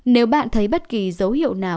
nếu bạn thấy bất kỳ dấu hiệu nào